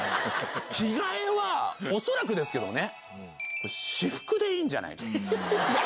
着替えは恐らくですけどもね。